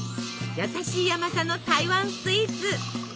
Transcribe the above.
優しい甘さの台湾スイーツ。